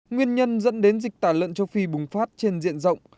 nguyên nhân dẫn đến dịch tả lợn châu phi bùng phát trên diện rộng